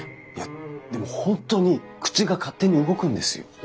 いやでも本当に口が勝手に動くんですよ。